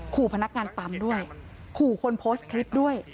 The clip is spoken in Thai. ขู่พนักงานปั๊มด้วยขู่คนโพสต์คลิปด้วย